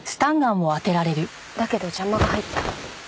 だけど邪魔が入った。